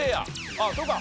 あっそうか。